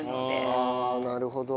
ああなるほど。